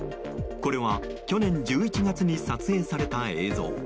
これは去年１１月に撮影された映像。